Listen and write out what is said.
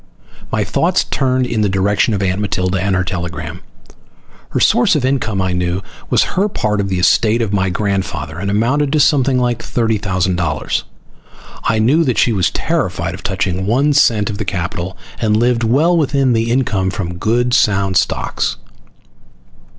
My thoughts turned in the direction of Aunt Matilda and her telegram. Her source of income, I knew, was her part of the estate of my grandfather, and amounted to something like thirty thousand dollars. I knew that she was terrified of touching one cent of the capital, and lived well within the income from good sound stocks.